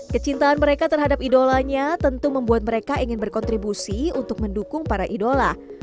kecintaan mereka terhadap idolanya tentu membuat mereka ingin berkontribusi untuk mendukung para idola